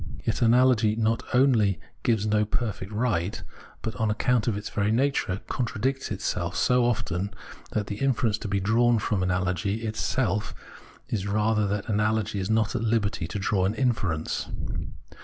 Yet analogy not only gives no perfect right, but, on account of its very nature, contradicts itself so often that the inference to be drawn from analogy itself rather is that analogy is not at Hberty to draw an inference.